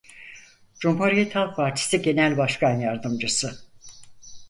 Cumhuriyet Halk Partisi Genel Başkan Yardımcısı.